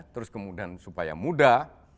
terus kemudian supaya mudah